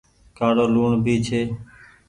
ڪآڙو لوڻ ڀي ڇي۔